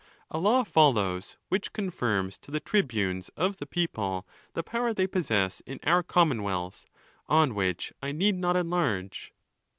A law follows, which confirms to the tribunes of the people the power they possess in our commonwealth, on which I need not enlarge.